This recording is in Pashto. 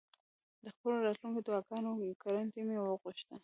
د خپلو راتلونکو دعاګانو ګرنټي مې وغوښته.